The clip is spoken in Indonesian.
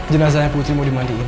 jenazahnya putri mau dimandiin